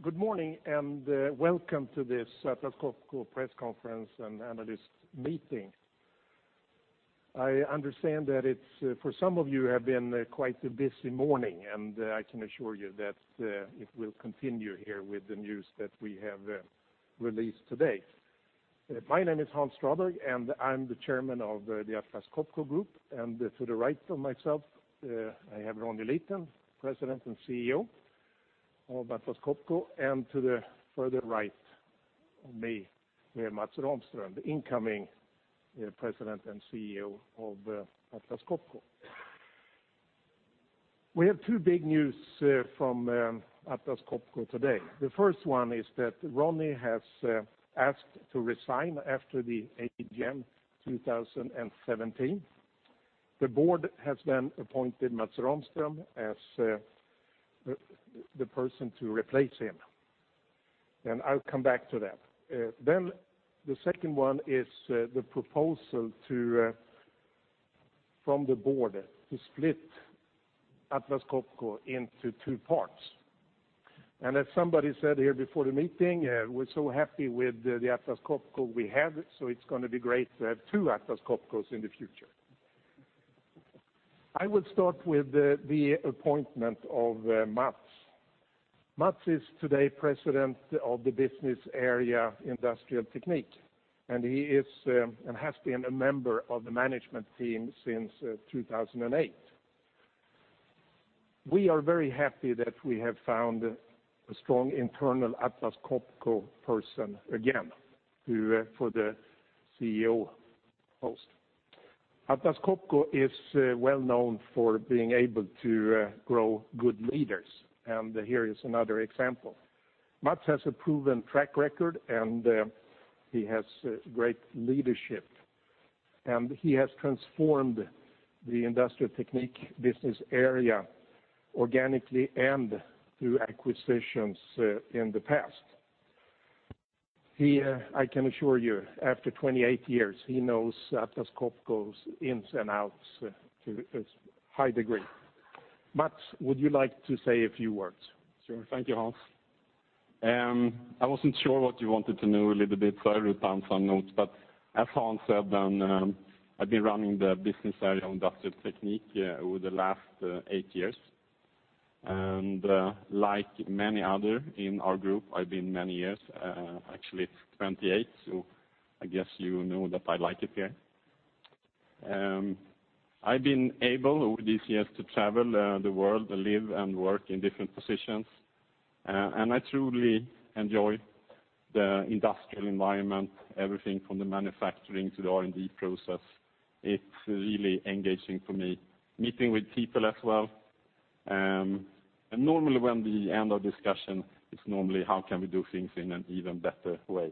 Good morning, and welcome to this Atlas Copco press conference and analyst meeting. I understand that for some of you, it has been quite a busy morning, and I can assure you that it will continue here with the news that we have released today. My name is Hans Stråberg, and I'm the Chairman of the Atlas Copco Group. To the right of myself, I have Ronnie Leten, President and CEO of Atlas Copco, and to the further right of me, we have Mats Rahmström, the incoming President and CEO of Atlas Copco. We have two big news from Atlas Copco today. The first one is that Ronnie has asked to resign after the AGM 2017. The board has appointed Mats Rahmström as the person to replace him. I'll come back to that. The second one is the proposal from the board to split Atlas Copco into two parts. As somebody said here before the meeting, we're so happy with the Atlas Copco we have, so it's going to be great to have two Atlas Copcos in the future. I will start with the appointment of Mats. Mats is today President of the business area Industrial Technique, and he has been a member of the management team since 2008. We are very happy that we have found a strong internal Atlas Copco person again for the CEO post. Atlas Copco is well known for being able to grow good leaders, and here is another example. Mats has a proven track record, and he has great leadership, and he has transformed the Industrial Technique business area organically and through acquisitions in the past. I can assure you, after 28 years, he knows Atlas Copco's ins and outs to a high degree. Mats, would you like to say a few words? Sure. Thank you, Hans. I wasn't sure what you wanted to know a little bit, so I wrote down some notes. As Hans said, I've been running the business area on Industrial Technique over the last eight years. Like many others in our group, I've been many years, actually 28, so I guess you know that I like it here. I've been able, over these years, to travel the world, live and work in different positions. I truly enjoy the industrial environment, everything from the manufacturing to the R&D process. It's really engaging for me, meeting with people as well. Normally when we end our discussion, it's normally how can we do things in an even better way.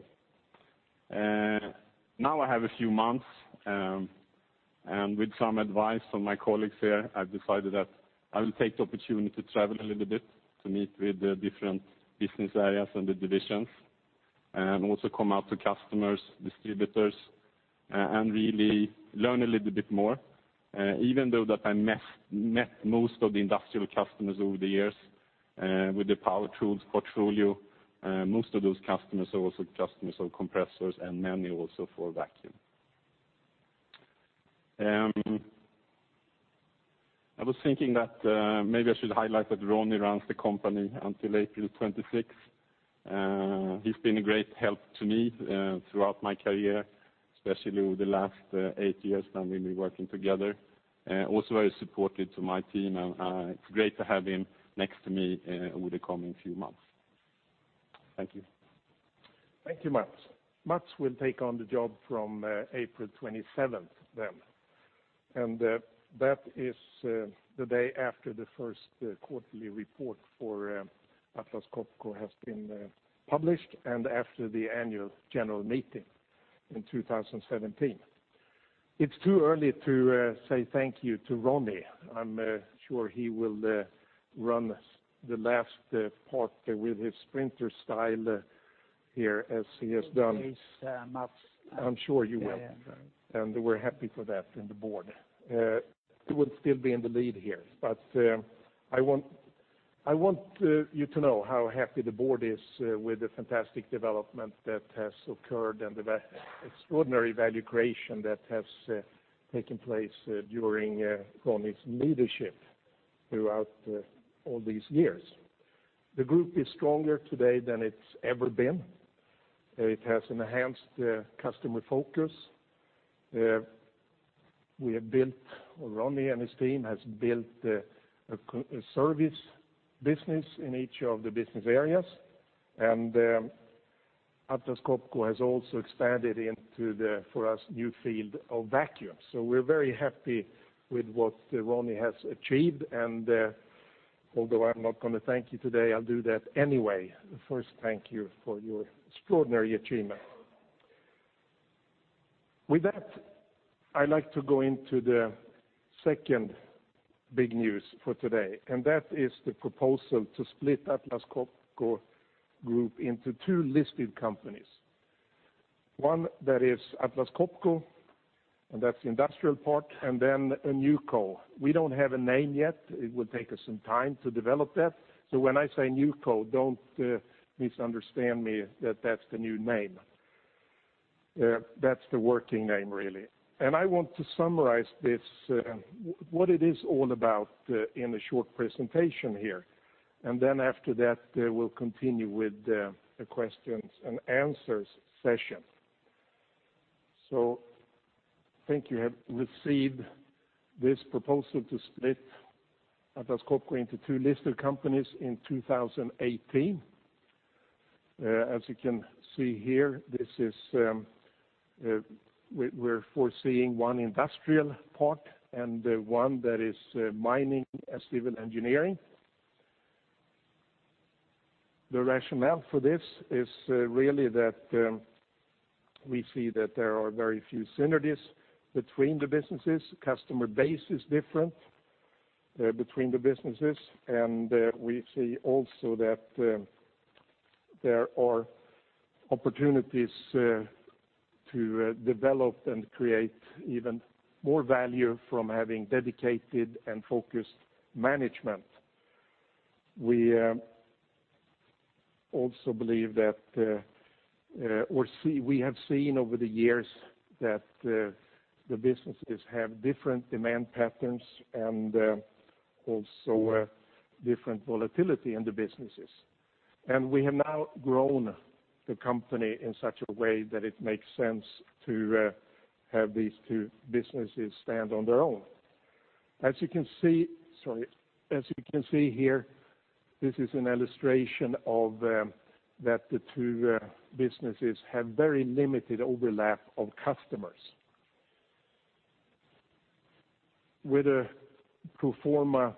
Now I have a few months, with some advice from my colleagues here, I've decided that I will take the opportunity to travel a little bit, to meet with the different business areas and the divisions, and also come out to customers, distributors, and really learn a little bit more. Even though that I met most of the industrial customers over the years, with the power tools portfolio, most of those customers are also customers of compressors and many also for vacuum. I was thinking that maybe I should highlight that Ronnie runs the company until April 26th. He's been a great help to me throughout my career, especially over the last eight years now we've been working together. Also very supportive to my team, and it's great to have him next to me over the coming few months. Thank you. Thank you, Mats. Mats will take on the job from April 27th then. That is the day after the first quarterly report for Atlas Copco has been published and after the annual general meeting in 2017. It's too early to say thank you to Ronnie. I'm sure he will run the last part with his sprinter style here as he has done- Yes, Hans I'm sure you will. Yeah. We're happy for that in the board. He will still be in the lead here. I want you to know how happy the board is with the fantastic development that has occurred and the extraordinary value creation that has taken place during Ronnie's leadership throughout all these years. The group is stronger today than it's ever been. It has an enhanced customer focus. Ronnie and his team has built a service business in each of the business areas. Atlas Copco has also expanded into the, for us, new field of vacuum. We're very happy with what Ronnie has achieved, and although I'm not going to thank you today, I'll do that anyway. First, thank you for your extraordinary achievement. With that, I'd like to go into the second big news for today, and that is the proposal to split Atlas Copco Group into two listed companies. One that is Atlas Copco, and that's the industrial part, and then a NewCo. We don't have a name yet. It will take us some time to develop that. When I say NewCo, don't misunderstand me that that's the new name. That's the working name, really. I want to summarize this, what it is all about, in a short presentation here. Then after that, we'll continue with the questions and answers session. I think you have received this proposal to split Atlas Copco into two listed companies in 2018. As you can see here, we're foreseeing one industrial part and one that is mining and civil engineering. The rationale for this is really that we see that there are very few synergies between the businesses. The customer base is different between the businesses, we see also that there are opportunities to develop and create even more value from having dedicated and focused management. We have seen over the years that the businesses have different demand patterns and also different volatility in the businesses. We have now grown the company in such a way that it makes sense to have these two businesses stand on their own. As you can see here, this is an illustration that the two businesses have very limited overlap of customers. With a pro forma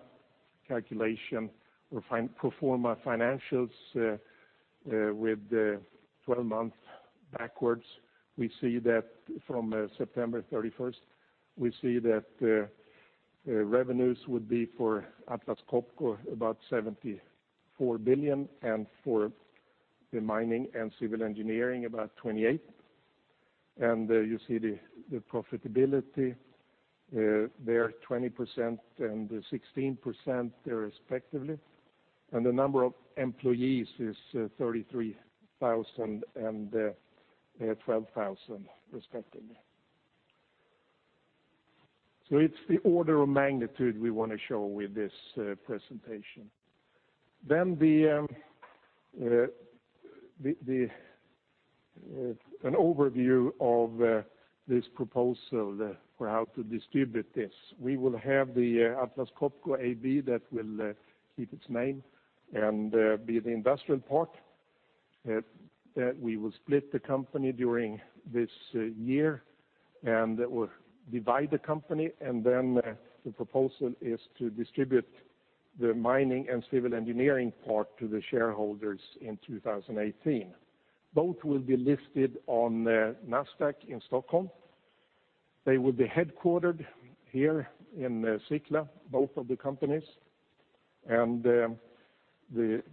calculation or pro forma financials with 12 months backwards, we see that from September 31st, we see that revenues would be for Atlas Copco about 74 billion and for the mining and civil engineering about 28 billion. You see the profitability, they are 20% and 16% there respectively. The number of employees is 33,000 and 12,000, respectively. It's the order of magnitude we want to show with this presentation. Then an overview of this proposal for how to distribute this. We will have the Atlas Copco AB that will keep its name and be the industrial part. We will split the company during this year, we'll divide the company, then the proposal is to distribute the mining and civil engineering part to the shareholders in 2018. Both will be listed on Nasdaq Stockholm. They will be headquartered here in Nacka, both of the companies.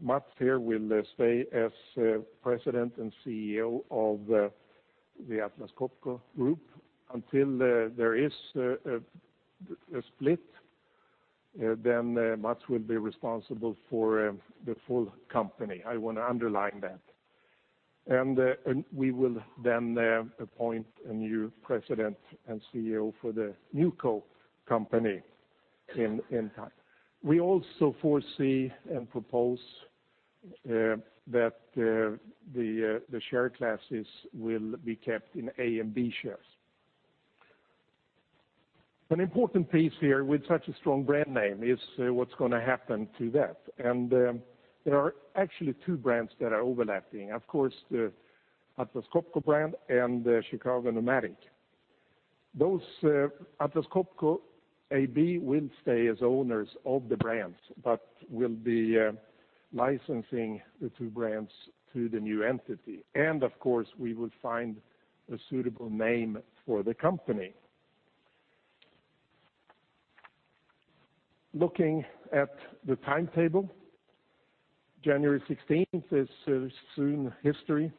Mats here will stay as President and CEO of the Atlas Copco Group until there is a split, then Mats will be responsible for the full company. I want to underline that. We will then appoint a new President and CEO for the NewCo company in time. We also foresee and propose that the share classes will be kept in A and B shares. An important piece here with such a strong brand name is what's going to happen to that. There are actually two brands that are overlapping. Of course, the Atlas Copco brand and Chicago Pneumatic. Atlas Copco AB will stay as owners of the brands, but will be licensing the two brands to the new entity. Of course, we would find a suitable name for the company. Looking at the timetable, January 16th is soon history.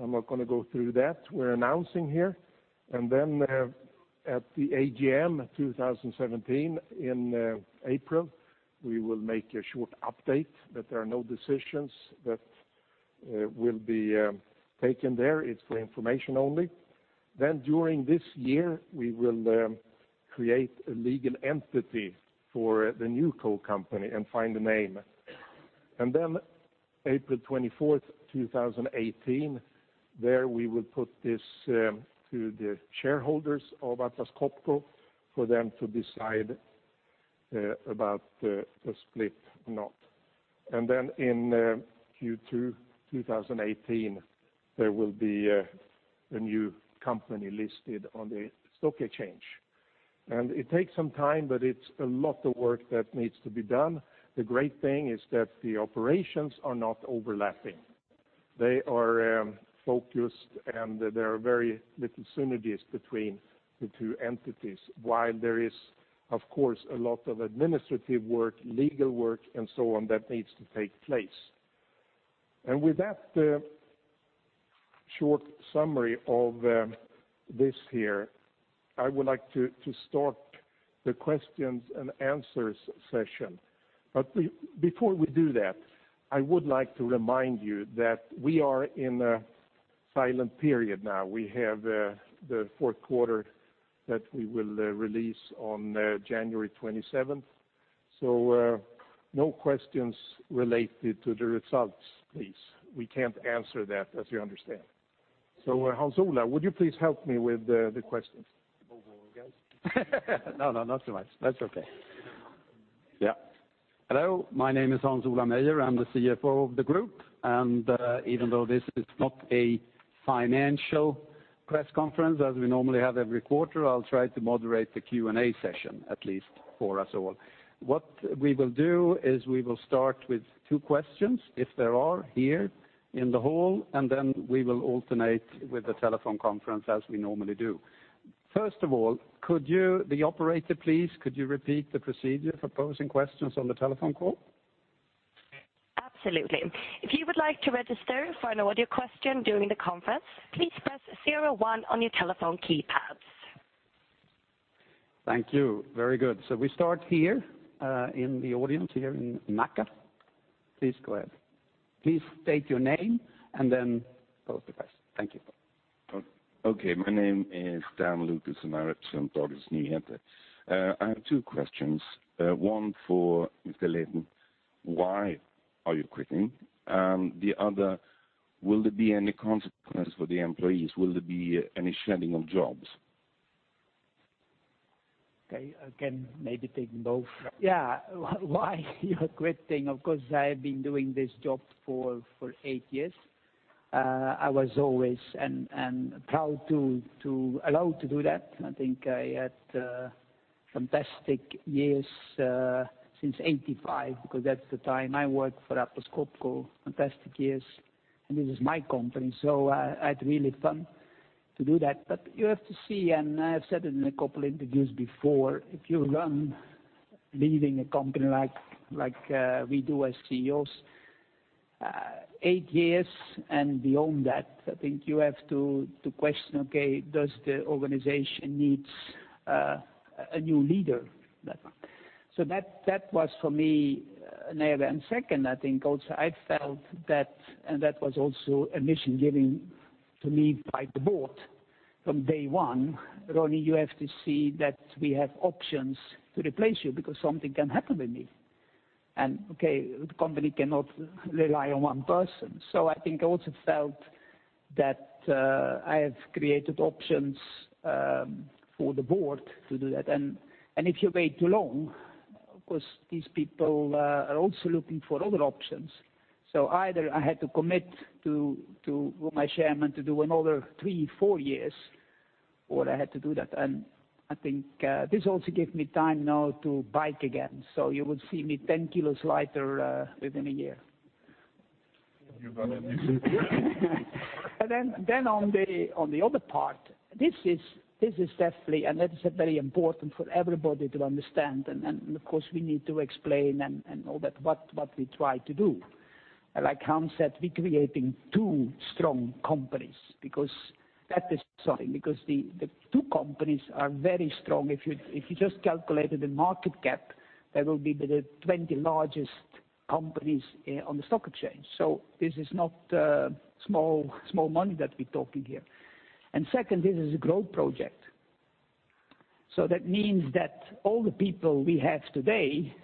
I'm not going to go through that. We're announcing here, then at the AGM 2017 in April, we will make a short update that there are no decisions that will be taken there. It's for information only. During this year, we will create a legal entity for the NewCo company and find a name. April 24th, 2018, there we will put this to the shareholders of Atlas Copco for them to decide about the split or not. In Q2 2018, there will be a new company listed on the stock exchange. It takes some time, but it's a lot of work that needs to be done. The great thing is that the operations are not overlapping. They are focused, there are very little synergies between the two entities, while there is Of course, a lot of administrative work, legal work, and so on that needs to take place. With that short summary of this here, I would like to start the questions and answers session. Before we do that, I would like to remind you that we are in a silent period now. We have the fourth quarter that we will release on January 27th, no questions related to the results, please. We can't answer that as you understand. Hans Ola, would you please help me with the questions? Over, I guess. No, not too much. That's okay. Yeah. Hello, my name is Hans Ola Meyer, I'm the CFO of the group. Even though this is not a financial press conference as we normally have every quarter, I'll try to moderate the Q&A session, at least for us all. What we will do is we will start with two questions if there are here in the hall. Then we will alternate with the telephone conference as we normally do. First of all, could you, the operator please, could you repeat the procedure for posing questions on the telephone call? Absolutely. If you would like to register for an audio question during the conference, please press zero one on your telephone keypads. Thank you. Very good. We start here in the audience here in Nacka. Please go ahead. Please state your name. Then pose the question. Thank you. My name is Dan Lucas. I represent Dagens Nyheter. I have two questions. One for Mr. Leten. Why are you quitting? The other, will there be any consequence for the employees? Will there be any shedding of jobs? Okay. I can maybe take both. Yeah. Why am I quitting? Of course, I have been doing this job for 8 years. I was always and proud to allow to do that. I think I had fantastic years since 1985, because that's the time I worked for Atlas Copco, fantastic years, and this is my company, so I had really fun to do that. You have to see, and I've said it in 2 interviews before, if you run leading a company like we do as CEOs 8 years and beyond that, I think you have to question, okay, does the organization needs a new leader? That one. That was for me an area, and second, I think also I felt that, and that was also a mission given to me by the board from day 1, "Ronnie, you have to see that we have options to replace you because something can happen with me." Okay, the company cannot rely on 1 person. I think I also felt that I have created options for the board to do that. If you wait too long, of course these people are also looking for other options. Either I had to commit to my chairman to do another 3, 4 years, or I had to do that, and I think this also gave me time now to bike again. You would see me 10 kilos lighter within 1 year. You run a decent- On the other part, this is definitely, that is very important for everybody to understand and of course we need to explain and all that what we try to do. Like Hans said, we're creating two strong companies because that is something, because the two companies are very strong. If you just calculated the market cap, they will be the 20 largest companies on the stock exchange. This is not small money that we're talking here. Second, this is a growth project. That means that all the people we have today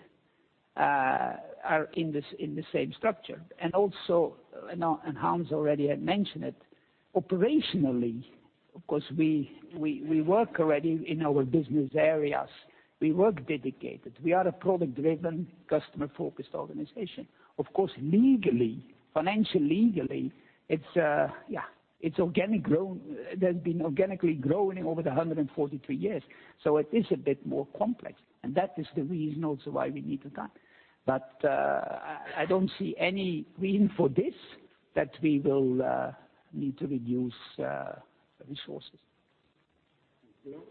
are in the same structure. Hans already had mentioned it, operationally, of course, we work already in our business areas. We work dedicated. We are a product-driven, customer-focused organization. Of course, legally, financially, legally, it's organic grown. They've been organically growing over the 143 years, it is a bit more complex, that is the reason also why we need the time. I don't see any reason for this, that we will need to reduce resources. Thank you.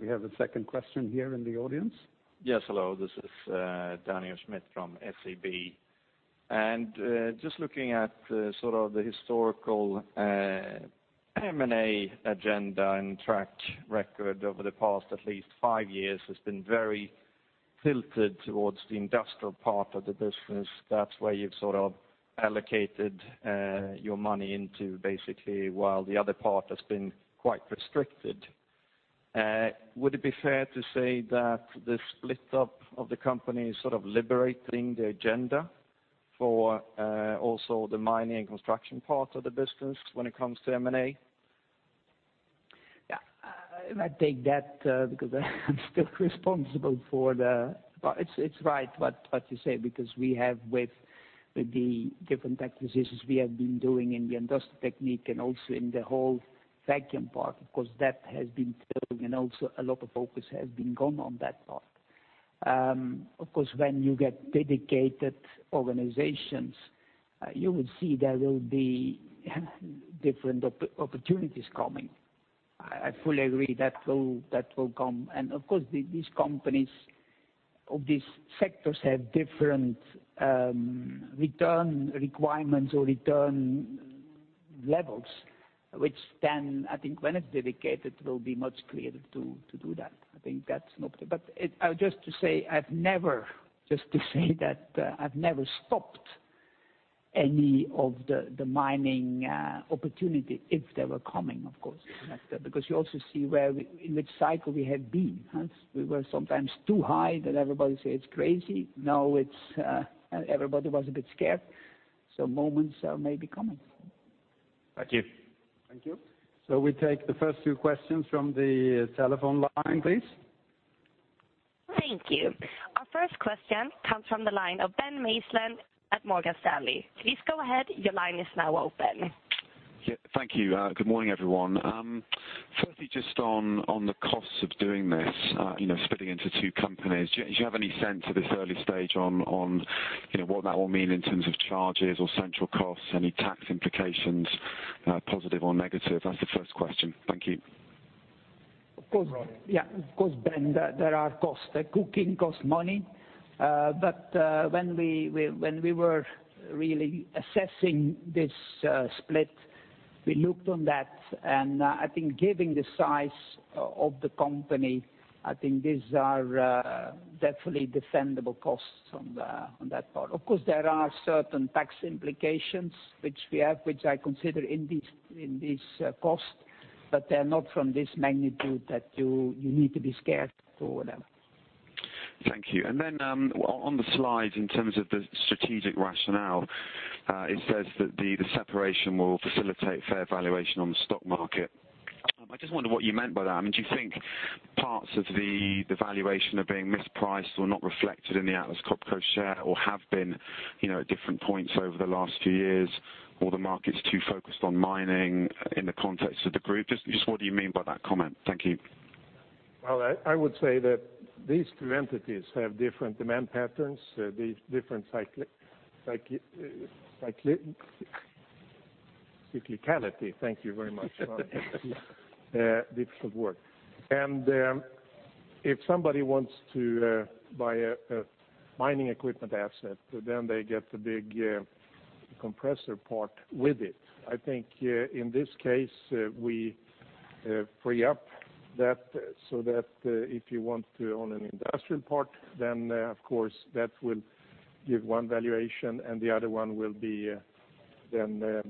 We have a second question here in the audience. Yes, hello. This is Daniel Schmidt from SEB, just looking at the historical M&A agenda and track record over the past at least five years has been very tilted towards the industrial part of the business. That's where you've allocated your money into basically, while the other part has been quite restricted. Would it be fair to say that the split up of the company is liberating the agenda for also the mining and construction part of the business when it comes to M&A? Yeah. It's right what you say because we have with the different acquisitions we have been doing in the Industrial Technique and also in the whole vacuum part, because that has been building and also a lot of focus has been gone on that part. Of course, when you get dedicated organizations, you will see there will be different opportunities coming. I fully agree that will come. Of course, these companies of these sectors have different return requirements or return levels, which then I think when it's dedicated, will be much clearer to do that. I think that's an option. Just to say that I've never stopped any of the mining opportunity, if they were coming, of course. Because you also see in which cycle we have been. We were sometimes too high that everybody say it's crazy. Now everybody was a bit scared. Moments are maybe coming. Thank you. Thank you. We'll take the first two questions from the telephone line, please. Thank you. Our first question comes from the line of Ben Maslen at Morgan Stanley. Please go ahead. Your line is now open. Yeah. Thank you. Good morning, everyone. Firstly, just on the costs of doing this, splitting into two companies. Do you have any sense at this early stage on what that will mean in terms of charges or central costs, any tax implications, positive or negative? That's the first question. Thank you. Of course, Ben, there are costs. Cooking costs money. When we were really assessing this split, we looked on that, I think given the size of the company, I think these are definitely defendable costs on that part. Of course, there are certain tax implications which we have, which I consider in these costs, they're not from this magnitude that you need to be scared or whatever. Thank you. Then, on the slide in terms of the strategic rationale, it says that the separation will facilitate fair valuation on the stock market. I just wonder what you meant by that. Do you think parts of the valuation are being mispriced or not reflected in the Atlas Copco share, or have been at different points over the last few years? The market's too focused on mining in the context of the group? Just what do you mean by that comment? Thank you. Well, I would say that these two entities have different demand patterns, different cyclicality. Thank you very much, Juan. Difficult word. If somebody wants to buy a mining equipment asset, then they get the big compressor part with it. I think in this case, we free up that so that if you want to own an industrial part, then of course that will give one valuation, and the other one will be then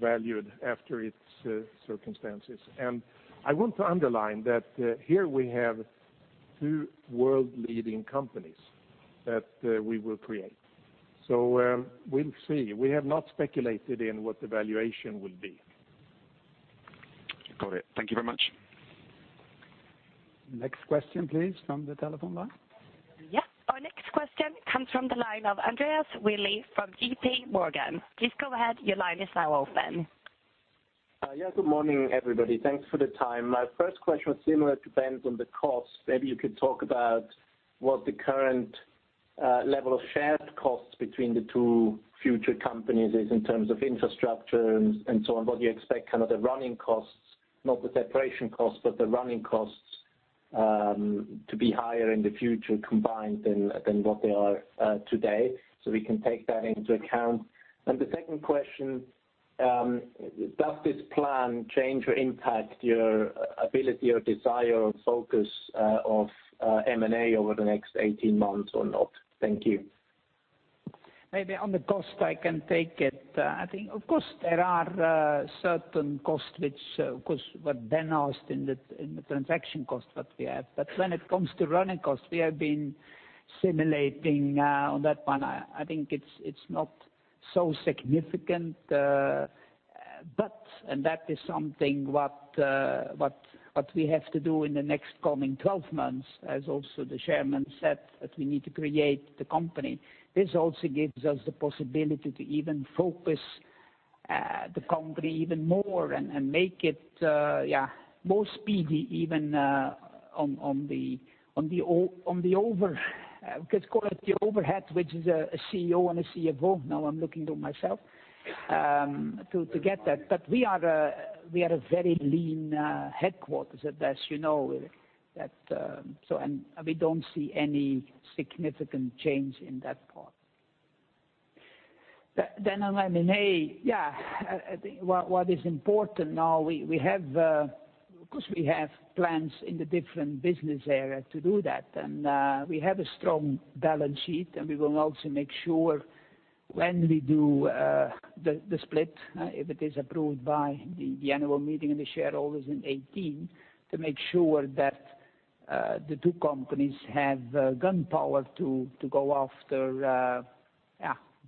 valued after its circumstances. I want to underline that here we have two world-leading companies that we will create. We'll see. We have not speculated in what the valuation will be. Got it. Thank you very much. Next question, please, from the telephone line. Yeah. Our next question comes from the line of Andreas Willi from J.P. Morgan. Please go ahead. Your line is now open. Yeah, good morning, everybody. Thanks for the time. My first question was similar to Ben's on the cost. Maybe you could talk about what the current level of shared costs between the two future companies is in terms of infrastructure and so on. What do you expect the running costs, not the separation cost, but the running costs, to be higher in the future combined than what they are today, so we can take that into account. The second question, does this plan change or impact your ability or desire or focus of M&A over the next 18 months or not? Thank you. Maybe on the cost, I can take it. I think, of course, there are certain costs, which of course were then asked in the transaction cost that we have. When it comes to running costs, we have been simulating on that one. I think it's not so significant. That is something what we have to do in the next coming 12 months, as also the Chairman said, that we need to create the company. This also gives us the possibility to even focus the company even more and make it more speedy even on the overhead, which is a CEO and a CFO, now I'm looking to myself, to get that. We are a very lean headquarters, as you know. We don't see any significant change in that part. On M&A, I think what is important now, because we have plans in the different business area to do that. We have a strong balance sheet, and we will also make sure when we do the split, if it is approved by the annual meeting and the shareholders in 2018, to make sure that the two companies have the gunpowder to go after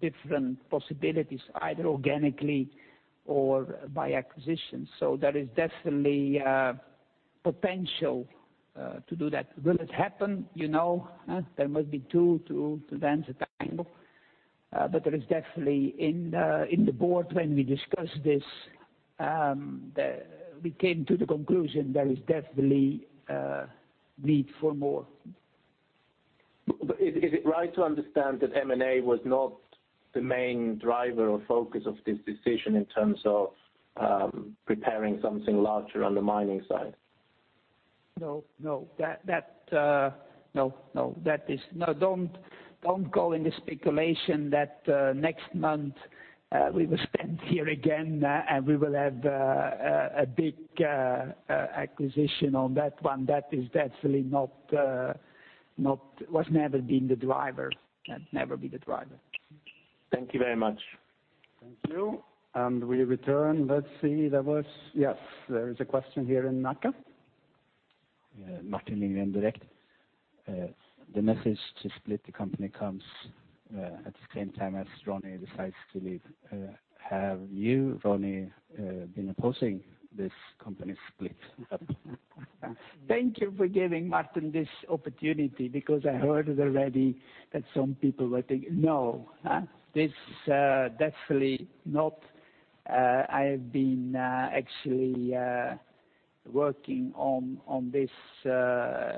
different possibilities, either organically or by acquisition. There is definitely potential to do that. Will it happen? There must be two to dance a tango. In the Board when we discussed this, we came to the conclusion there is definitely a need for more. Is it right to understand that M&A was not the main driver or focus of this decision in terms of preparing something larger on the mining side? No. No. Don't go into speculation that next month we will spend here again, and we will have a big acquisition on that one. That was never been the driver. That never be the driver. Thank you very much. Thank you. We return. Let's see. Yes, there is a question here in Nacka. Martin Lindgren, Direkt. The message to split the company comes at the same time as Ronnie decides to leave. Have you, Ronnie, been opposing this company split? Thank you for giving Martin this opportunity. I heard it already that some people were thinking No. This definitely not. I have been actually working on this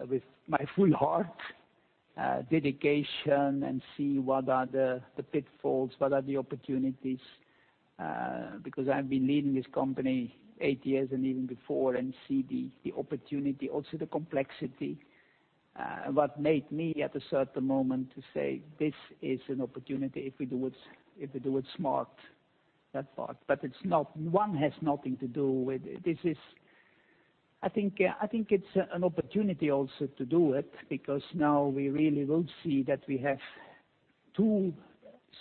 with my full heart, dedication, and see what are the pitfalls, what are the opportunities, because I've been leading this company 8 years and even before and see the opportunity, also the complexity. What made me at a certain moment to say, "This is an opportunity if we do it smart," that part. One has nothing to do with it. I think it's an opportunity also to do it because now we really will see that we have two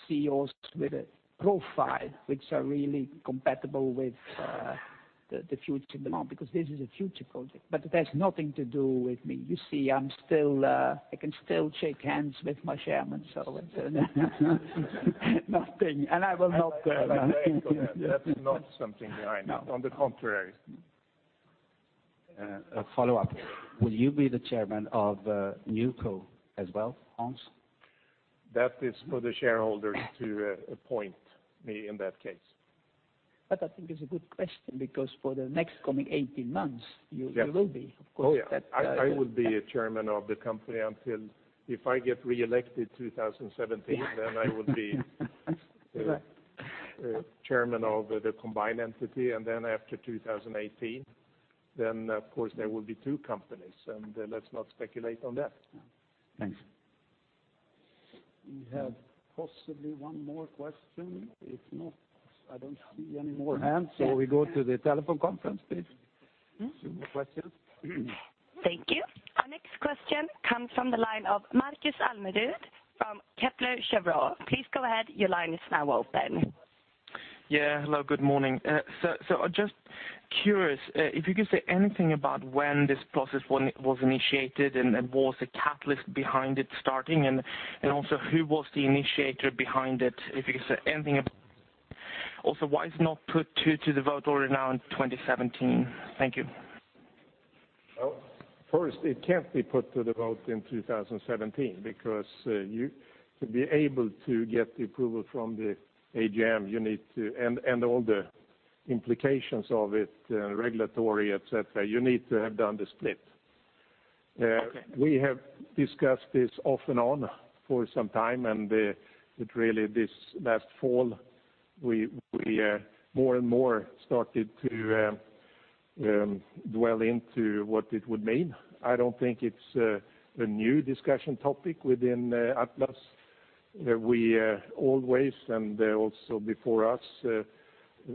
CEOs with a profile which are really compatible with the future demand, because this is a future project, but it has nothing to do with me. You see, I can still shake hands with my Chairman. Nothing. I will not- That's not something I know. On the contrary. A follow-up. Will you be the Chairman of NewCo as well, Hans? That is for the shareholders to appoint me in that case. I think it's a good question because for the next coming 18 months. Yes you will be, of course. I will be a Chairman of the company until, if I get reelected 2017, then I will be Chairman of the combined entity. Then after 2018, then of course there will be two companies, let's not speculate on that. Thanks. We have possibly one more question. If not, I don't see any more hands, we go to the telephone conference, please. More questions? Thank you. Our next question comes from the line of Markus Almerud from Kepler Cheuvreux. Please go ahead. Your line is now open. Yeah. Hello, good morning. Just curious, if you could say anything about when this process was initiated, what was the catalyst behind it starting, and also who was the initiator behind it? If you could say anything about it. Why is it not put to the vote already now in 2017? Thank you. Well, first, it can't be put to the vote in 2017 because to be able to get the approval from the AGM, and all the implications of it, regulatory, et cetera, you need to have done the split. Okay. We have discussed this off and on for some time. It really this last fall, we more and more started to dwell into what it would mean. I don't think it's a new discussion topic within Atlas. We always, and also before us,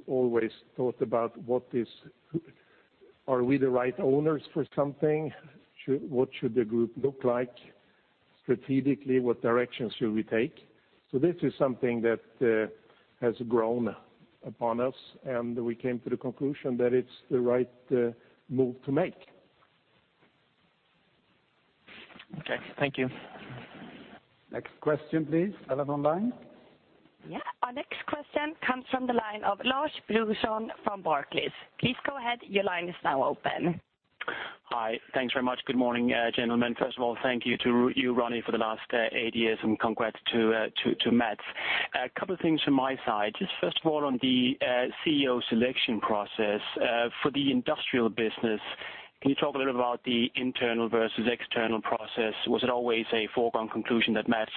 always thought about, are we the right owners for something? What should the group look like? Strategically, what directions should we take? This is something that has grown upon us, and we came to the conclusion that it's the right move to make. Okay. Thank you. Next question, please. Other line. Our next question comes from the line of Lars Brorson from Barclays. Please go ahead. Your line is now open. Hi. Thanks very much. Good morning, gentlemen. First of all, thank you to you, Ronnie, for the last eight years, and congrats to Mats. A couple of things from my side. Just first of all on the CEO selection process. For the industrial business, can you talk a little about the internal versus external process? Was it always a foregone conclusion that Mats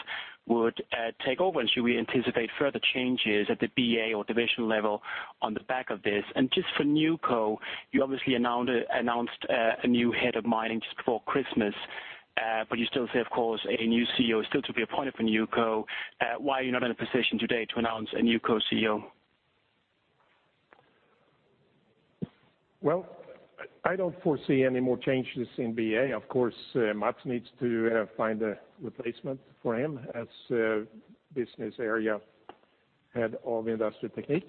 would take over? Should we anticipate further changes at the BA or divisional level on the back of this? Just for NewCo, you obviously announced a new head of mining just before Christmas. You still say, of course, a new CEO is still to be appointed for NewCo. Why are you not in a position today to announce a NewCo CEO? I don't foresee any more changes in BA. Of course, Mats needs to find a replacement for him as business area head of Industrial Technique.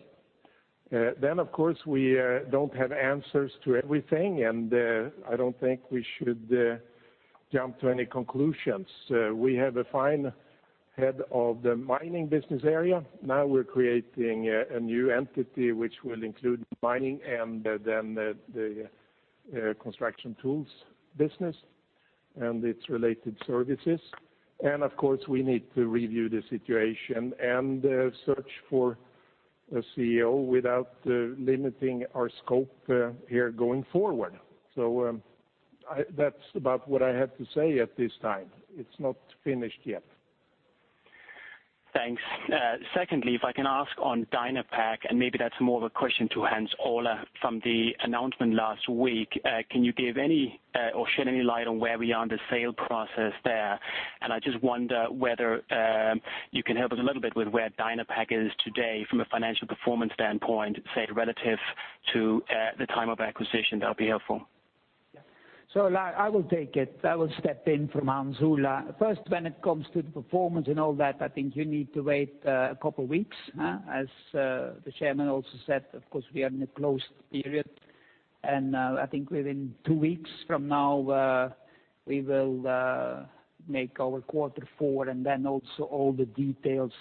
Of course, we don't have answers to everything, and I don't think we should jump to any conclusions. We have a fine head of the mining business area. Now we're creating a new entity which will include mining and the construction tools business. Its related services. Of course, we need to review the situation and search for a CEO without limiting our scope here going forward. That's about what I have to say at this time. It's not finished yet. Thanks. Secondly, if I can ask on Dynapac, maybe that's more of a question to Hans-Ola from the announcement last week. Can you give any or shed any light on where we are in the sale process there? I just wonder whether you can help us a little bit with where Dynapac is today from a financial performance standpoint, say, relative to the time of acquisition. That'll be helpful. I will take it. I will step in from Hans-Ola. First, when it comes to the performance and all that, I think you need to wait a couple weeks, as the chairman also said, of course we are in a closed period. I think within two weeks from now, we will make our quarter four and also all the details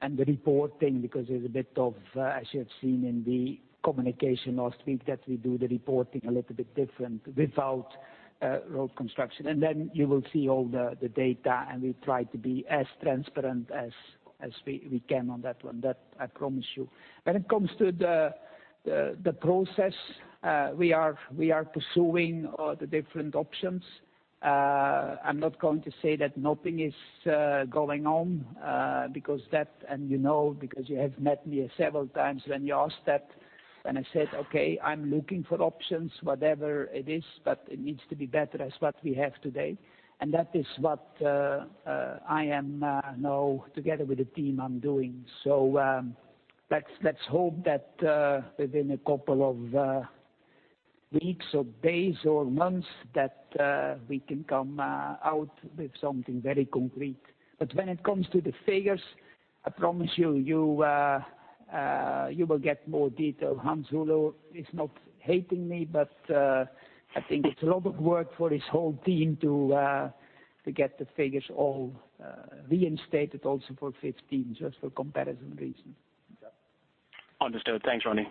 and the reporting because there's a bit of, as you have seen in the communication last week, that we do the reporting a little bit different without road construction. Then you will see all the data, and we try to be as transparent as we can on that one. That I promise you. When it comes to the process, we are pursuing all the different options. I'm not going to say that nothing is going on, because that, and you know because you have met me several times when you asked that and I said, "Okay, I'm looking for options, whatever it is, but it needs to be better as what we have today." That is what I am now, together with the team, I'm doing. Let's hope that within a couple of weeks or days or months that we can come out with something very concrete. When it comes to the figures, I promise you will get more detail. Hans-Ola is not hating me, but I think it's a lot of work for his whole team to get the figures all reinstated also for 2015, just for comparison reasons. Understood. Thanks, Ronnie.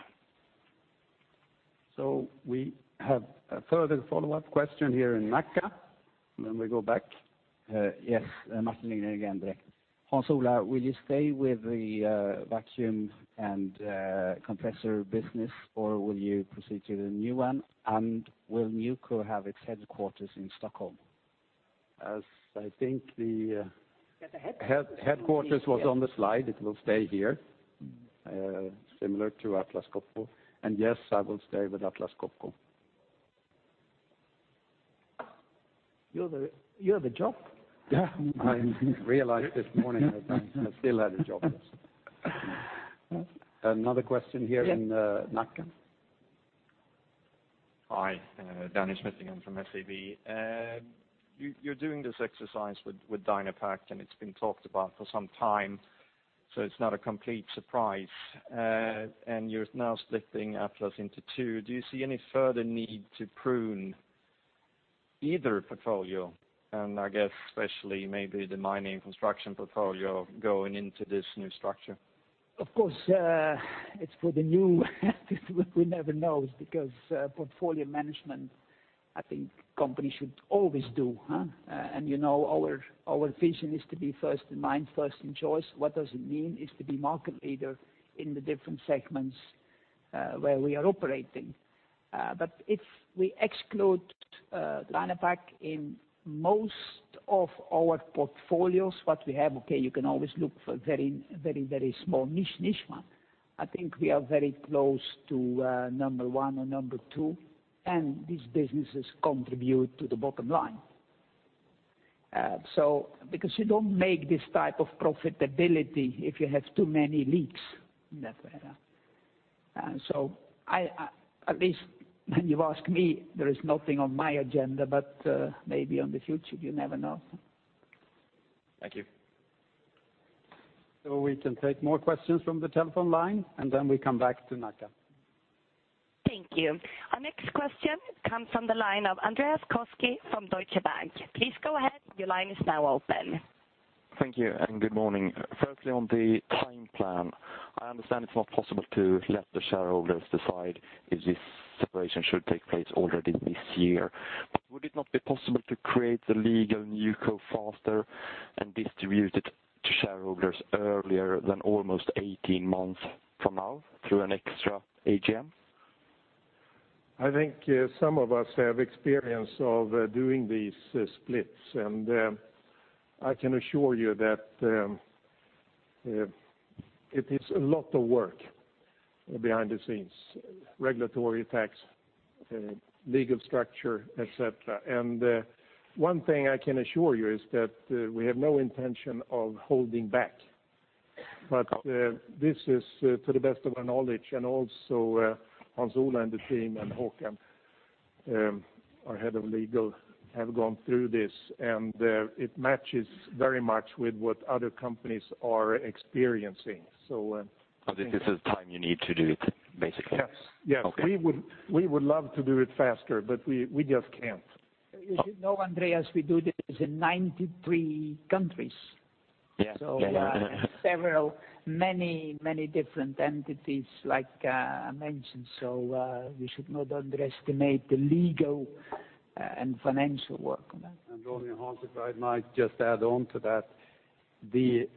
We have a further follow-up question here in Nacka, and then we go back. Yes. Martin Lindgren again. Hans Ola, will you stay with the vacuum and compressor business, or will you proceed to the new one? Will NewCo have its headquarters in Stockholm? As I think the- Yes, the headquarters headquarters was on the slide. It will stay here, similar to Atlas Copco. Yes, I will stay with Atlas Copco. You have a job. Yeah. I realized this morning that I still had a job, yes. Another question here in Nacka. Hi. Daniel Schmidt again from SEB. You're doing this exercise with Dynapac, and it's been talked about for some time, so it's not a complete surprise. You're now splitting Atlas into two. Do you see any further need to prune either portfolio? I guess especially maybe the mining construction portfolio going into this new structure? Of course, it's for the new we never know, because portfolio management, I think companies should always do, huh? You know our vision is to be first in mind, first in choice. What does it mean is to be market leader in the different segments where we are operating. But if we exclude Dynapac in most of our portfolios, what we have, okay, you can always look for very small niche one. I think we are very close to number one or number two, and these businesses contribute to the bottom line. Because you don't make this type of profitability if you have too many leaks in that area. At least when you ask me, there is nothing on my agenda, but maybe on the future, you never know. Thank you. We can take more questions from the telephone line, and then we come back to Nacka. Thank you. Our next question comes from the line of Andreas Koski from Deutsche Bank. Please go ahead. Your line is now open. Thank you. Good morning. Firstly, on the time plan. I understand it's not possible to let the shareholders decide if this separation should take place already this year. Would it not be possible to create the legal NewCo faster and distribute it to shareholders earlier than almost 18 months from now through an extra AGM? I think some of us have experience of doing these splits, I can assure you that it is a lot of work behind the scenes, regulatory, tax, legal structure, et cetera. One thing I can assure you is that we have no intention of holding back. This is to the best of our knowledge, and also Hans-Ola and the team and Håkan, our head of legal, have gone through this, and it matches very much with what other companies are experiencing. This is time you need to do it, basically? Yes. Okay. We would love to do it faster, but we just can't. You should know, Andreas, we do this in 93 countries. Yeah. Several, many different entities like I mentioned. We should not underestimate the legal and financial work on that. Ronnie or Hans-Ola, if I might just add on to that, the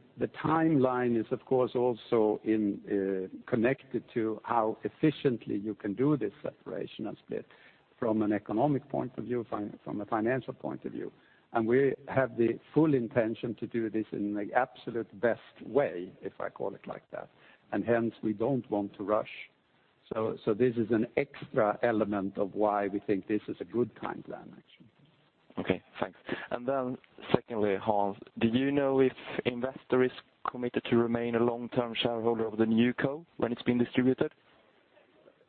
timeline is, of course, also connected to how efficiently you can do this separation and split from an economic point of view, from a financial point of view. We have the full intention to do this in the absolute best way, if I call it like that, and hence we don't want to rush. This is an extra element of why we think this is a good timeline, actually. Okay, thanks. Secondly, Hans-Ola, do you know if Investor is committed to remain a long-term shareholder of the NewCo when it's been distributed?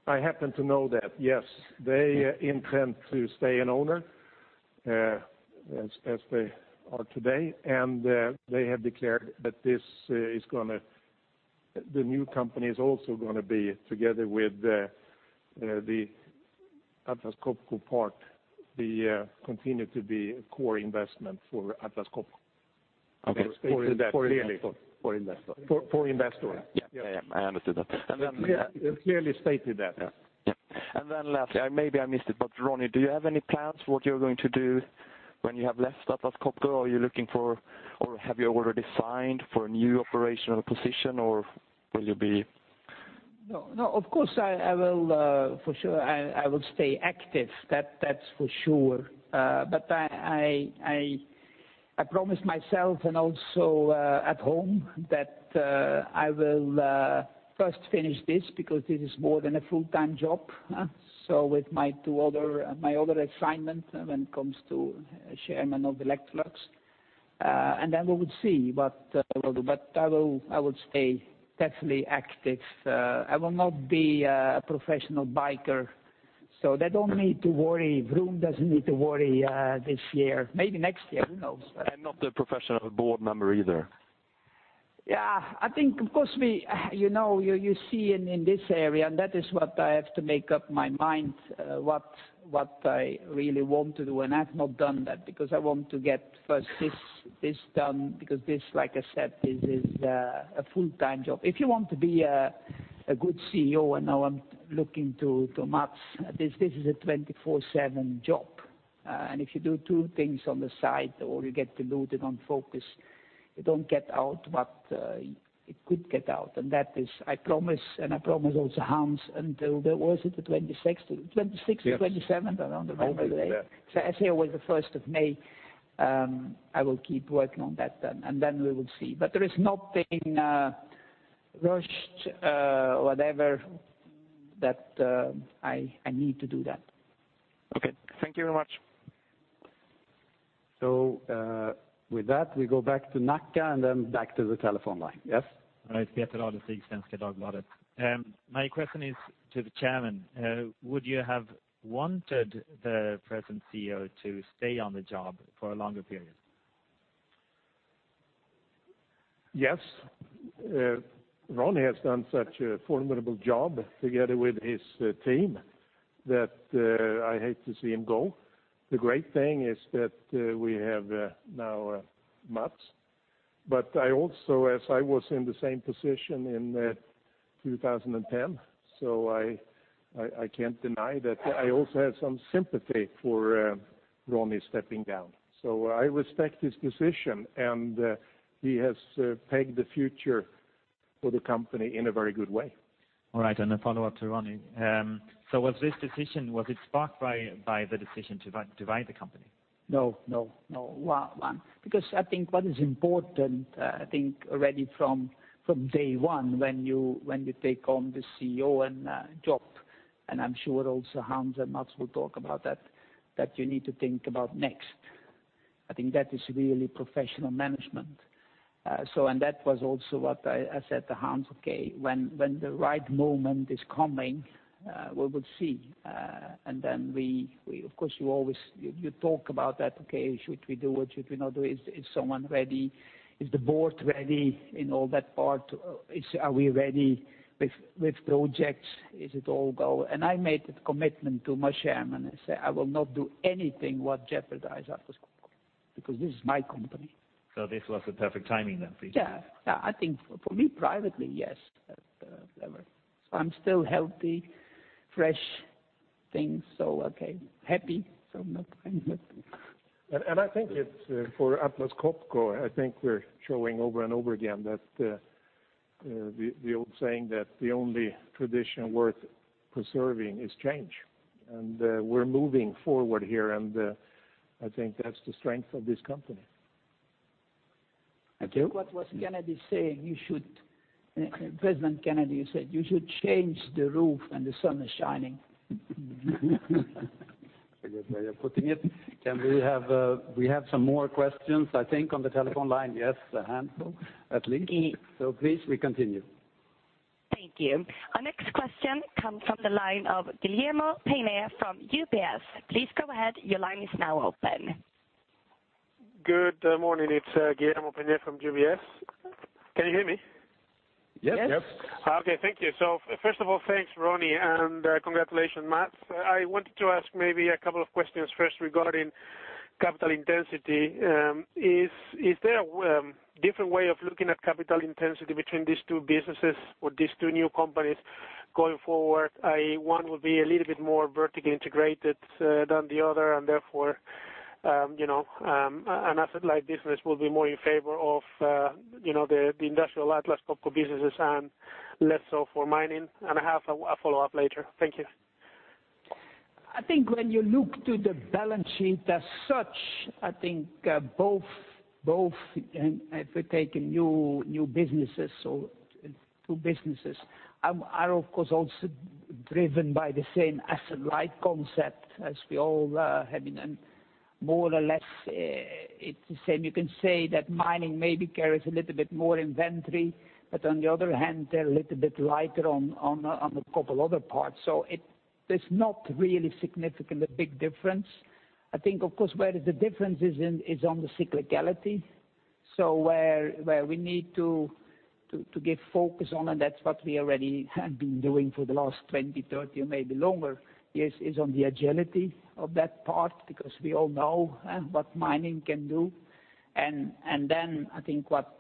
I happen to know that, yes. They intend to stay an owner as they are today, and they have declared that the new company is also going to be together with the Atlas Copco part, continue to be a core investment for Atlas Copco. Okay. For Investor. For Investor. Yeah. I understood that. They clearly stated that. Yeah. Lastly, maybe I missed it, Ronnie, do you have any plans for what you're going to do when you have left Atlas Copco? Are you looking for, or have you already signed for a new operational position, or will you be? Of course, for sure, I will stay active. That's for sure. I promised myself and also at home that I will first finish this because this is more than a full-time job. With my other assignment when it comes to chairman of Electrolux, then we would see what I will do, but I would stay definitely active. I will not be a professional biker, so they don't need to worry. Froome doesn't need to worry this year. Maybe next year, who knows? Not the professional board member either. I think, of course, you see in this area, that is what I have to make up my mind, what I really want to do, I've not done that because I want to get first this done, because this, like I said, this is a full-time job. If you want to be a good CEO, now I'm looking to Mats, this is a 24/7 job. If you do two things on the side or you get diluted on focus, you don't get out what it could get out. That is, I promise, I promise also Hans, until, was it the 26th? 26th or 27th. Yes. Almost. May day. As here was the 1st of May, I will keep working on that then, and then we will see. There is nothing rushed, whatever, that I need to do that. Okay. Thank you very much. With that, we go back to Nacka and then back to the telephone line. Yes? It's Peter Adlers, the Svenska Dagbladet. My question is to the Chairman. Would you have wanted the present CEO to stay on the job for a longer period? Yes. Ronnie has done such a formidable job together with his team that I hate to see him go. The great thing is that we have now Mats. I also, as I was in the same position in 2010, I can't deny that I also have some sympathy for Ronnie stepping down. I respect his decision, and he has pegged the future for the company in a very good way. All right, a follow-up to Ronnie. Was this decision, was it sparked by the decision to divide the company? No. I think what is important, I think already from day one when you take on the CEO job, I'm sure also Hans and Mats will talk about that you need to think about next. I think that is really professional management. That was also what I said to Hans, okay, when the right moment is coming, we would see. Then of course, you always talk about that, okay, should we do or should we not do it? Is someone ready? Is the board ready? All that part. Are we ready with projects? Is it all go? I made a commitment to my chairman and said, I will not do anything what jeopardizes Atlas Copco, because this is my company. This was a perfect timing then for you? Yeah. I think for me privately, yes. I'm still healthy, fresh, so okay, happy. I'm not I think it's for Atlas Copco, I think we're showing over and over again that the old saying that the only tradition worth preserving is change. We're moving forward here, and I think that's the strength of this company. Thank you. What was Kennedy saying? President Kennedy said, "You should change the roof when the sun is shining. Very good way of putting it. We have some more questions, I think, on the telephone line. Yes, a handful at least. Please, we continue. Thank you. Our next question comes from the line of Guillermo Peigneux-Lojo from UBS. Please go ahead. Your line is now open. Good morning. It's Guillermo Peigneux-Lojo from UBS. Can you hear me? Yes. Yes. Okay, thank you. First of all, thanks, Ronnie, and congratulations, Mats. I wanted to ask maybe a couple of questions first regarding capital intensity. Is there a different way of looking at capital intensity between these two businesses or these two new companies going forward? One will be a little bit more vertically integrated than the other, and therefore, an asset-light business will be more in favor of the industrial Atlas Copco businesses and less so for mining. I have a follow-up later. Thank you. I think when you look to the balance sheet as such, I think both, if we take new businesses or two businesses, are of course also driven by the same asset-light concept as we all have been. More or less, it's the same. You can say that mining maybe carries a little bit more inventory, but on the other hand, they're a little bit lighter on a couple other parts. There's not really significantly a big difference. I think, of course, where the difference is on the cyclicality. Where we need to give focus on, and that's what we already have been doing for the last 20, 30, or maybe longer years, is on the agility of that part, because we all know what mining can do. I think what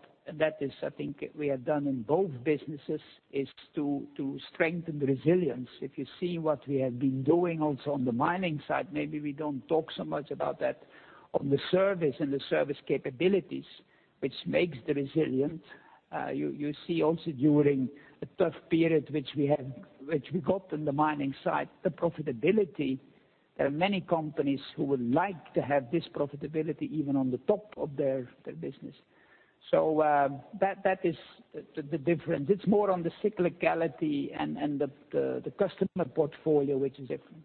we have done in both businesses is to strengthen resilience. If you see what we have been doing also on the mining side, maybe we don't talk so much about that on the service and the service capabilities, which makes the resilience. You see also during a tough period, which we got on the mining side, the profitability. There are many companies who would like to have this profitability even on the top of their business. That is the difference. It's more on the cyclicality and the customer portfolio, which is different.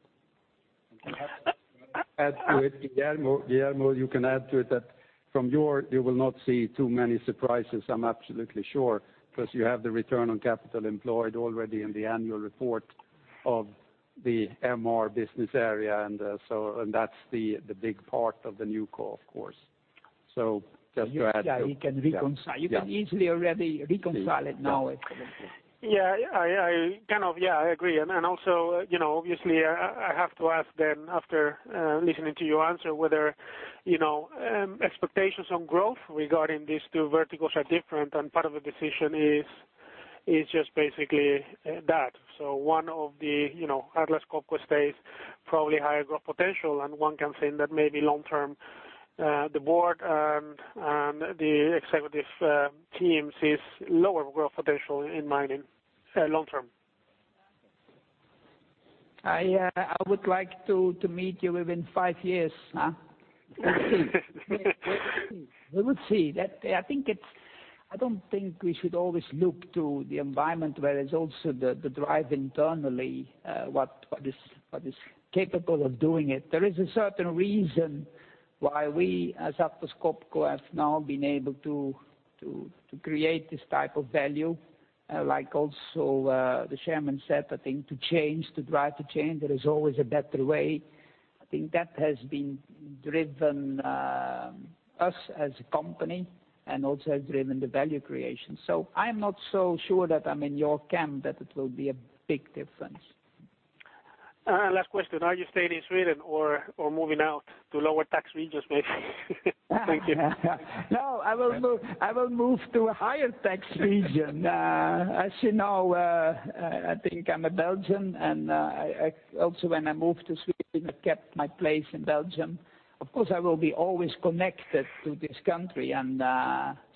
Guillermo, you can add to it that from your, you will not see too many surprises, I'm absolutely sure, because you have the return on capital employed already in the annual report of the MR business area. That's the big part of the NewCo, of course. Just to add to it. You can easily already reconcile it now. Yeah. I agree. Obviously, I have to ask then after listening to your answer, whether expectations on growth regarding these two verticals are different and part of the decision is just basically that. One of the Atlas Copco stays probably higher growth potential, and one can think that maybe long term, the board and the executive teams sees lower growth potential in mining, long term. I would like to meet you within five years, huh? We'll see. We will see. I don't think we should always look to the environment. There is also the drive internally, what is capable of doing it. There is a certain reason why we, as Atlas Copco, have now been able to create this type of value, like also, the Chairman said, I think, to change, to drive the change, there is always a better way. I think that has been driven us as a company and also has driven the value creation. I'm not so sure that I'm in your camp, that it will be a big difference. Last question. Are you staying in Sweden or moving out to lower tax regions, maybe? Thank you. No, I will move to a higher tax region. As you know, I think I'm a Belgian, and also when I moved to Sweden, I kept my place in Belgium. Of course, I will be always connected to this country, and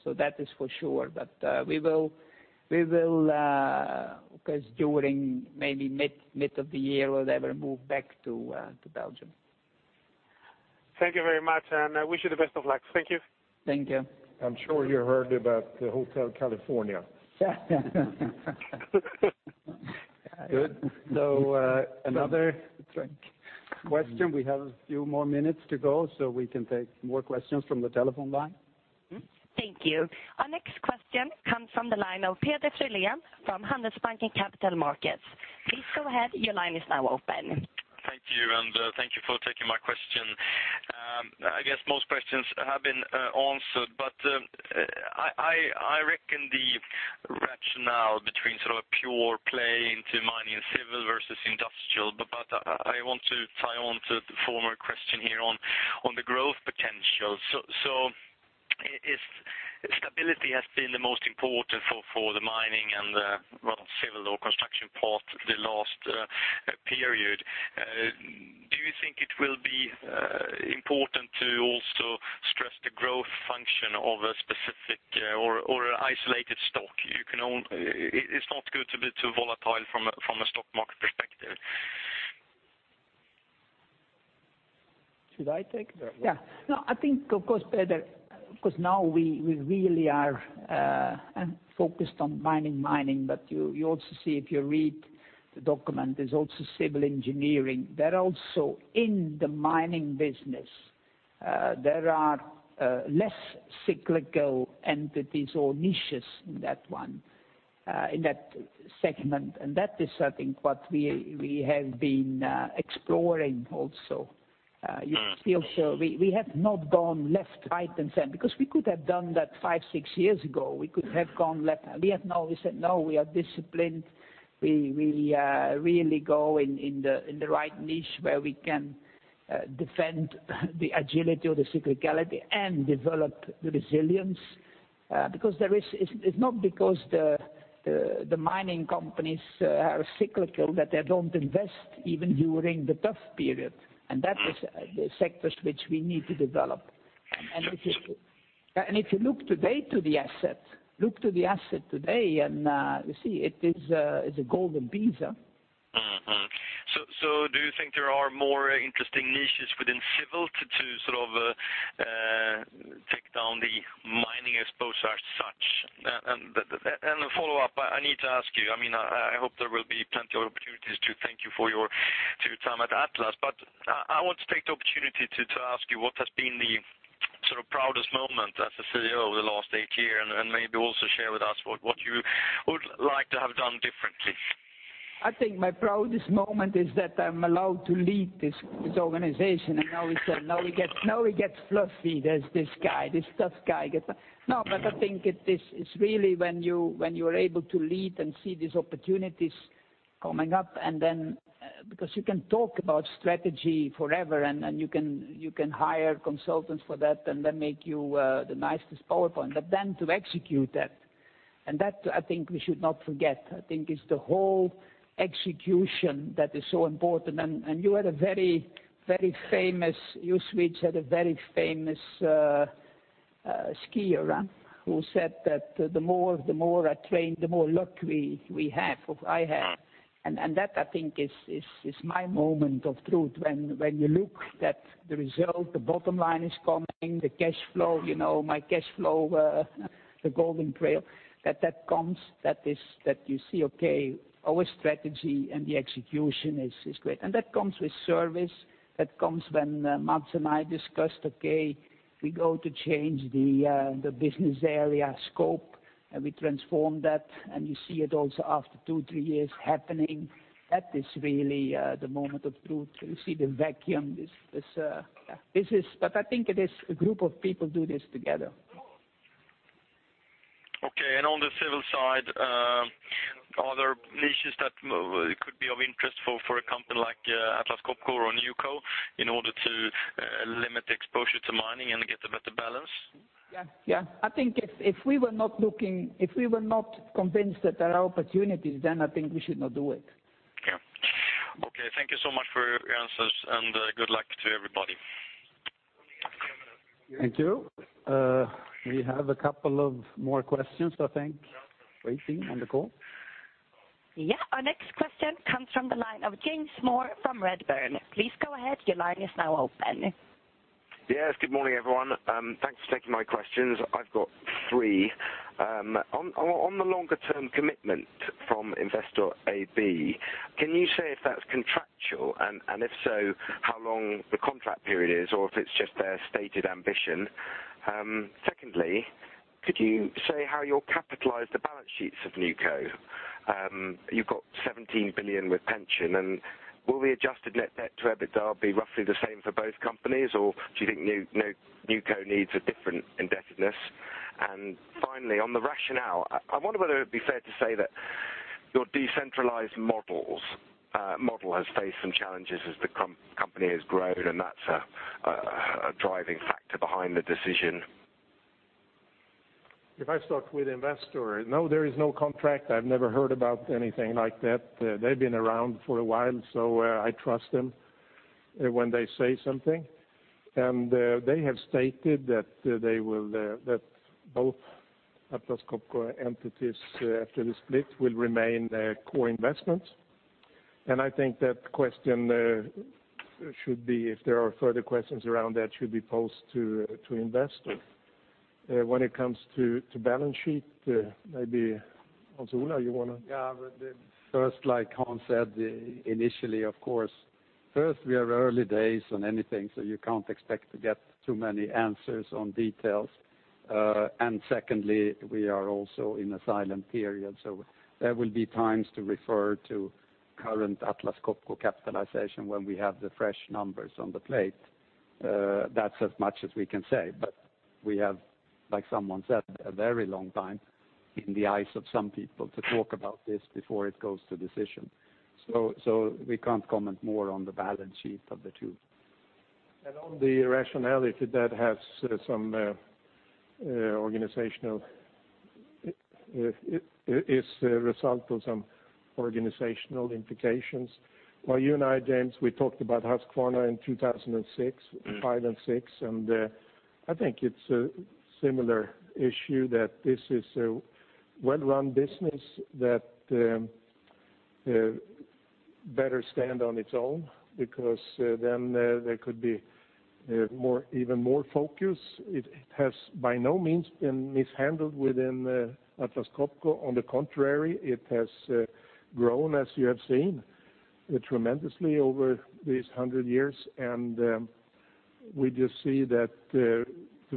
so that is for sure. We will, because during maybe mid of the year or whatever, move back to Belgium. Thank you very much. I wish you the best of luck. Thank you. Thank you. I'm sure you heard about the Hotel California. Good. Another question. We have a few more minutes to go, so we can take more questions from the telephone line. Thank you. Our next question comes from the line of Peder Frölén from Handelsbanken Capital Markets. Please go ahead. Your line is now open. Thank you, and thank you for taking my question. I guess most questions have been answered, I reckon the rationale between sort of a pure play into mining and civil versus industrial. I want to tie on to the former question here on the growth potential. If stability has been the most important for the mining and the civil or construction part the last period, do you think it will be important to also stress the growth function of a specific or isolated stock? It's not good to be too volatile from a stock market perspective. Should I take that? Yeah. No, I think, of course, Peder, because now we really are focused on mining, but you also see if you read the document, there's also civil engineering. They're also in the mining business. There are less cyclical entities or niches in that one, in that segment, and that is, I think, what we have been exploring also. You still show we have not gone left, right and center, because we could have done that five, six years ago. We could have gone left. We have not. We said, "No, we are disciplined." We really go in the right niche where we can defend the agility or the cyclicality and develop the resilience. It's not because the mining companies are cyclical that they don't invest even during the tough period. That is the sectors which we need to develop. Yes. If you look to the asset today, you see it's a golden cross. Mm-hmm. Do you think there are more interesting niches within Civil to take down the mining exposure as such? The follow-up, I need to ask you, I hope there will be plenty of opportunities to thank you for your time at Atlas, but I want to take the opportunity to ask you what has been the proudest moment as a CEO over the last eight years, maybe also share with us what you would like to have done differently? I think my proudest moment is that I'm allowed to lead this organization. Now he gets fluffy. There's this guy, this tough guy gets. I think it's really when you are able to lead and see these opportunities coming up, because you can talk about strategy forever, you can hire consultants for that, they make you the nicest PowerPoint. To execute that I think we should not forget, I think it's the whole execution that is so important. You and I, James, we talked about Husqvarna in 2005 and 2006, I think it's a similar issue that this is a well-run business that better stand on its own, because then there could be even more focus. It has by no means been mishandled within Atlas Copco. On the contrary, it has grown, as you have seen, tremendously over these 100 years. We just see that to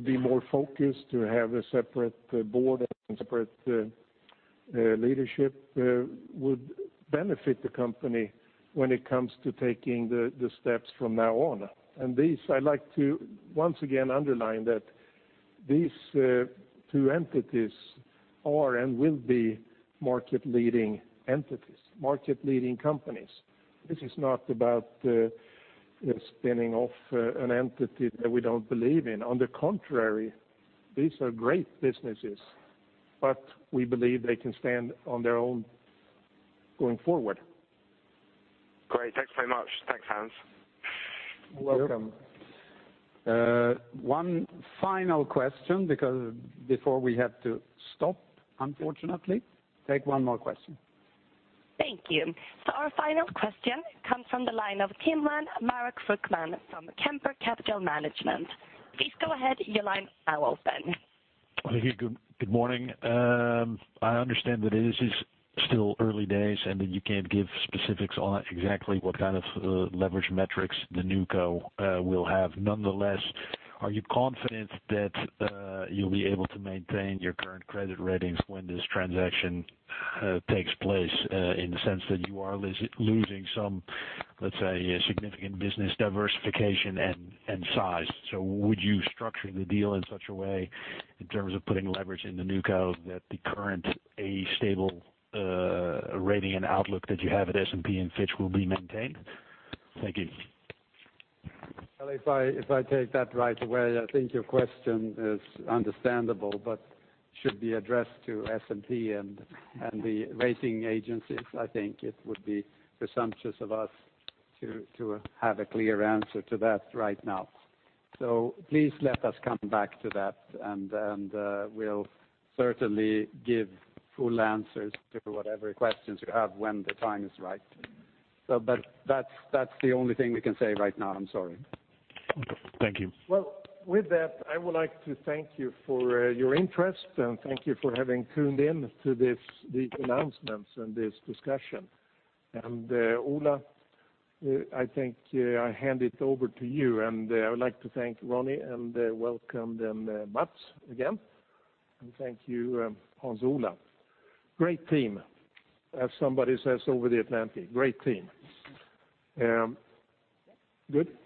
be more focused, to have a separate board and separate Leadership would benefit the company when it comes to taking the steps from now on. These, I'd like to once again underline that these two entities are and will be market-leading entities, market-leading companies. This is not about spinning off an entity that we don't believe in. On the contrary, these are great businesses, we believe they can stand on their own going forward. Great. Thanks very much. Thanks, Hans. You're welcome. One final question before we have to stop, unfortunately. Take one more question. Thank you. Our final question comes from the line of Timlan Manek Frykman from Kempen Capital Management. Please go ahead. Your line is now open. Thank you. Good morning. I understand that this is still early days and that you can't give specifics on exactly what kind of leverage metrics the NewCo will have. Nonetheless, are you confident that you'll be able to maintain your current credit ratings when this transaction takes place, in the sense that you are losing some, let's say, significant business diversification and size? Would you structure the deal in such a way, in terms of putting leverage in the NewCo, that the current A stable rating and outlook that you have at S&P and Fitch will be maintained? Thank you. Well, if I take that right away, I think your question is understandable, but should be addressed to S&P and the rating agencies. I think it would be presumptuous of us to have a clear answer to that right now. Please let us come back to that, and we'll certainly give full answers to whatever questions you have when the time is right. That's the only thing we can say right now. I'm sorry. Thank you. Well, with that, I would like to thank you for your interest, and thank you for having tuned in to these announcements and this discussion. Ola, I think I hand it over to you, and I would like to thank Ronnie and welcome Mats again. Thank you, Hans-Ola. Great team, as somebody says over the Atlantic. Great team. Good?